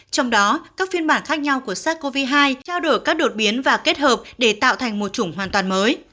trong đó các phiên bản khác nhau của sars cov hai trao đổi các đột biến và kết hợp để tạo thành một chủng hoàn toàn mới